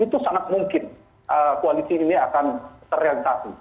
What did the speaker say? itu sangat mungkin koalisi ini akan terrealisasi